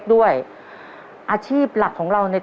ตัวเลือกที่สองวนทางซ้าย